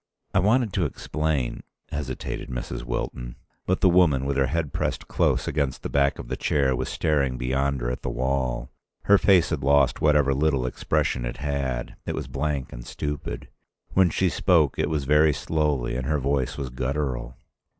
"I wanted to explain——" hesitated Mrs. Wilton. But the woman, with her head pressed close against the back of the chair, was staring beyond her at the wall. Her face had lost whatever little expression it had; it was blank and stupid. When she spoke it was very slowly and her voice was guttural.